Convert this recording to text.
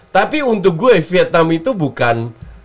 tapi untuk gue vietnam itu bukan